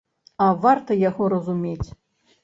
А варта яго разумець.